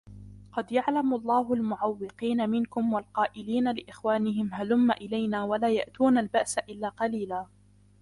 قد يعلم الله المعوقين منكم والقائلين لإخوانهم هلم إلينا ولا يأتون البأس إلا قليلا